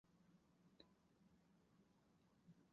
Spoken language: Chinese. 狭叶盆距兰为兰科盆距兰属下的一个种。